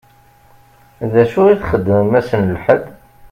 D acu i txeddmem ass n lḥedd?